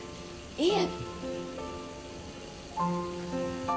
いえ。